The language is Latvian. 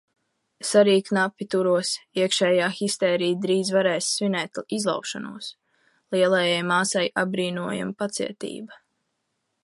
Es arī knapi turos, iekšējā histērija drīz varēs svinēt izlaušanos... Lielajai māsai apbrīnojama pacietība.